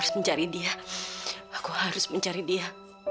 lu suruh hanya youngriya ya